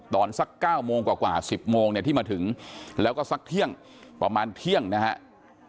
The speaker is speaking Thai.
ตอนสัก๙โมงกว่า๑๐โมงเนี่ยที่มาถึงแล้วก็สักเที่ยงประมาณเที่ยงนะครับ